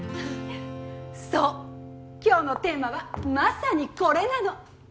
そう今日のテーマはまさにこれなの。